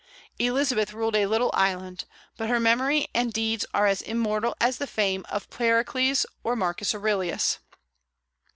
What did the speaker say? Elizabeth ruled a little island; but her memory and deeds are as immortal as the fame of Pericles or Marcus Aurelius.